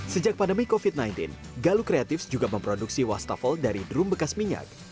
sejak pandemi covid sembilan belas galuk kreatif juga memproduksi wastafel dari drum bekas minyak